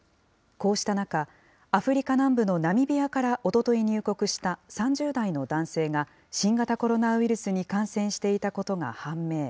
こうした中、アフリカ南部のナミビアからおととい入国した３０代の男性が、新型コロナウイルスに感染していたことが判明。